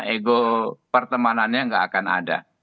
ego pertemanannya nggak akan ada